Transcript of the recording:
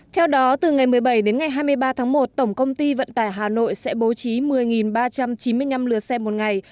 theo đó từ ngày một mươi bảy đến ngày hai mươi ba tháng một tổng công ty vận tải hà nội sẽ bố trí một mươi ba trăm chín mươi năm lượt xe một ngày